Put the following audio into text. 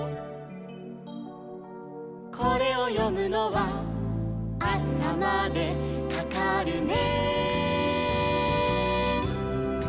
「これをよむのはあさまでかかるね」